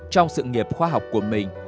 trong sự nghiệp khoa học của mình